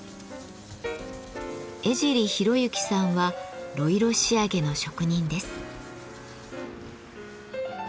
江尻浩幸さんは呂色仕上げの職人です。